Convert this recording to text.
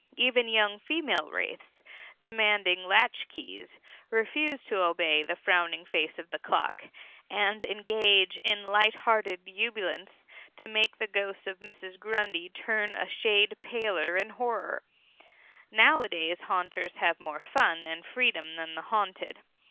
Even young female wraiths, demanding latchkeys, refuse to obey the frowning face of the clock, and engage in light hearted ebullience to make the ghost of Mrs. Grundy turn a shade paler in horror. Nowadays haunters have more fun and freedom than the haunted.